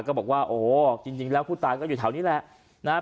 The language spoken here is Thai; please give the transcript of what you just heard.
ก็บอกว่าโอ้โหจริงจริงแล้วผู้ตายก็อยู่เท่านี้แหละนะฮะ